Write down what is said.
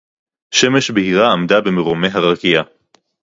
שֶׁמֶשׁ בְּהִירָה עָמְדָה בִּמְרוֹמֵי הָרָקִיעַ